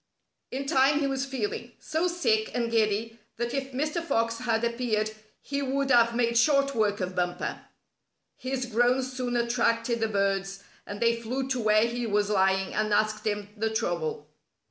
In time he was feeling so sick and giddy that if Mr. Fox had appeared he would have made short work of Bumper. His groans soon attracted the birds, and they flew to where he was lying and asked him the trouble.